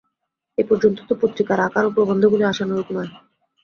এ পর্যন্ত তো পত্রিকার আকার ও প্রবন্ধগুলি আশানুরূপ নয়।